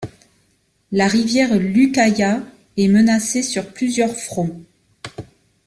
La rivière Lukaya est menacée sur plusieurs fronts.